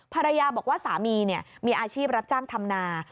ภรรยาบอกว่าสามีมีอาชีพรับจ้างทำนา